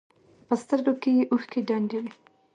په سترګو کښې يې اوښکې ډنډ وې.